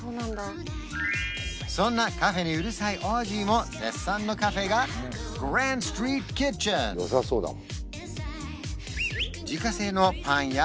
そんなカフェにうるさいオージーも絶賛のカフェがよさそうだもん